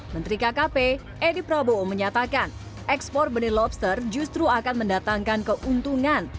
menteri kkp edi prabowo menyatakan ekspor benih lobster justru akan mendatangkan keuntungan